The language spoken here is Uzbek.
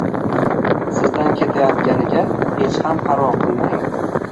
Sizdan ketayotganiga hech ham parvo qilmang